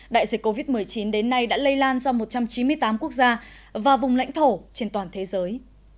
đại dịch covid một mươi chín đến nay đã lây lan ra một trăm chín mươi tám quốc gia và vùng lãnh thổ trên toàn thế giới